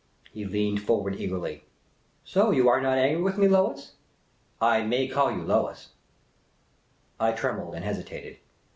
He leaned forward eagerly. " So you are not angry with me, lyois ? I may call you Lois f " I trembled and hesitated.